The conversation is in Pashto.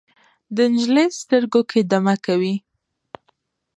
د نجلۍ سترګو کې دمه کوي